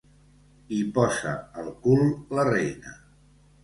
Hi posa el cul la reina.